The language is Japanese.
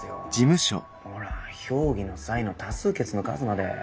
ほら評議の際の多数決の数まで。